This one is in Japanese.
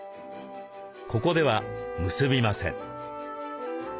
ここでは結びません。